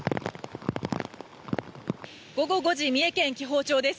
午後５時、三重県紀宝町です。